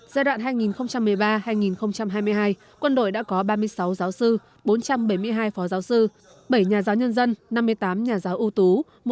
giai đoạn hai nghìn một mươi ba hai nghìn hai mươi hai quân đội đã có ba mươi sáu giáo sư bốn trăm bảy mươi hai phó giáo sư bảy nhà giáo nhân dân năm mươi tám nhà giáo ưu tú